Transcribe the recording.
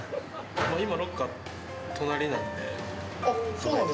今、ロッカー、隣なんで。